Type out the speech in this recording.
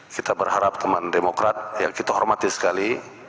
kita berharap teman demokrat yang kita hormati sekali